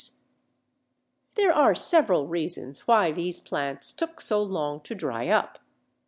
] There are several reasons why these plants took so long to dry up.